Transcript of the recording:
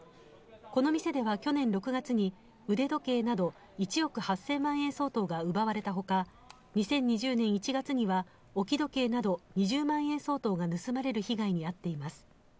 この店では去年６月に腕時計など１億８０００万円相当が奪われたほか、２０２０年１月には置き時計など２０万円相当が盗まれる被害に遭っています。